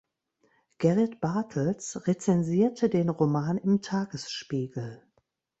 Gerrit Bartels rezensierte den Roman im Tagesspiegel.